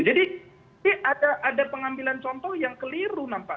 jadi ada pengambilan contoh yang keliru